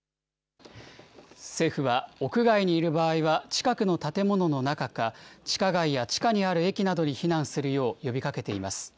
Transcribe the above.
政府は屋外にいる場合は、近くの建物の中か、地下街や地下にある駅などに避難するよう呼びかけています。